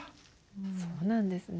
そうなんですね。